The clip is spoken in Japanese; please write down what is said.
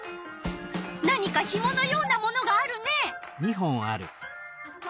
何かひものようなものがあるね。